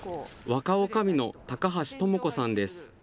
若おかみの高橋知子さんです。